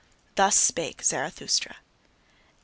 Thus spake Zarathustra. IX.